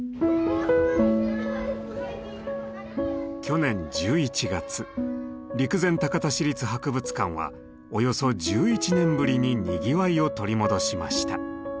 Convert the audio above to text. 去年１１月陸前高田市立博物館はおよそ１１年ぶりににぎわいを取り戻しました。